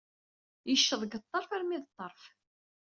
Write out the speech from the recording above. Yecceḍ seg ḍḍerf armi d ḍḍerf.